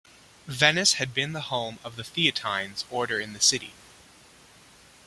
Venice had been the home of the Theatines order in the city.